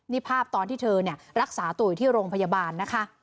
นี่ภาพตอนที่เธอรักษาตัวอยู่ที่โรงพยาบาลนะคะ